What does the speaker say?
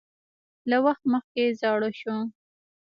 له وخت مخکې زاړه شو